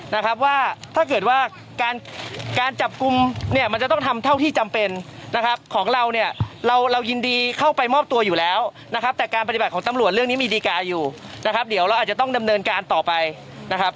นะครับว่าถ้าเกิดว่าการการจับกลุ่มเนี่ยมันจะต้องทำเท่าที่จำเป็นนะครับของเราเนี่ยเราเรายินดีเข้าไปมอบตัวอยู่แล้วนะครับแต่การปฏิบัติของตำรวจเรื่องนี้มีดีการ์อยู่นะครับเดี๋ยวเราอาจจะต้องดำเนินการต่อไปนะครับ